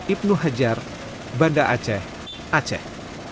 ibnu hajar banda aceh aceh